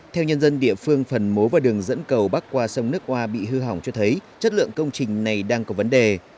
theo nhân dân địa phương phần mố và đường dẫn cầu bắc qua sông nước hoa bị hư hỏng cho thấy chất lượng công trình này đang có vấn đề